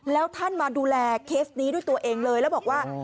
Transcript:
แล้วท่านมาดูแลเคสนี้ด้วยตัวเองเลยแล้วบอกว่า